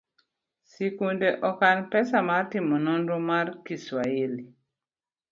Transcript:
skunde okan pesa mar timo nonro mar kiswahili.